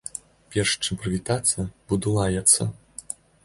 Перш чым прывітацца, буду лаяцца.